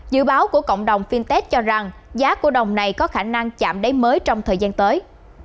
dự báo của cộng đồng fintech cho rằng giá của đồng này có khả năng chạm đáy mới trong thời gian tới